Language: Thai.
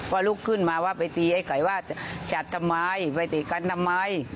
ลุกขึ้นมาว่าไปตีไอ้ไข่ว่าจะจัดทำไมไปตีกันทำไม